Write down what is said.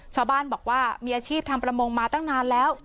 ชาวบ้านบอกว่ามีอาชีพทำประมงมาตั้งนานแล้ว